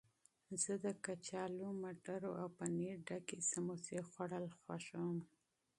زه د کچالو، مټرو او پنیر ډکې سموسې خوړل خوښوم.